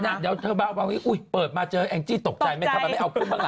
เดี๋ยวเธอเบาวีอุ๊ยเปิดมาเจอแองจี้ตกใจไหมทำไมไม่เอาขึ้นบ้างล่ะ